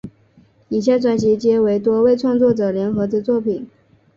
以下专辑皆为多位创作者联合之作品。